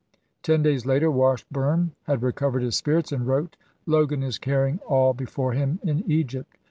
Ten days later Washburne had recovered his spirits, and wrote, "Logan is car ms. rying all before him in Egypt."